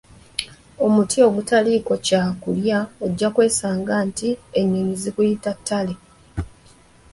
Omuti ogutaliiko kya klya ojja kwesanga nti ennyonnyi ziguyita ttale!